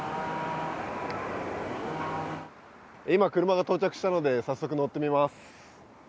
今、車が到着したので、早速乗ってみます。